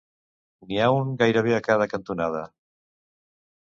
N'hi ha un gairebé a cada cantonada.